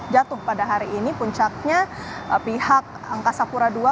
jatuh pada hari ini puncaknya pihak angkasa pura ii